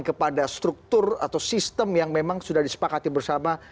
kepada struktur atau sistem yang memang sudah disepakati bersama